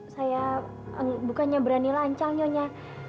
saya bukannya berani lancang nyonya